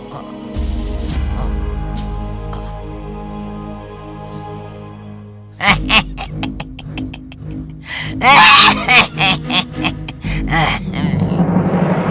belum mau menjadi penampilan're tutoring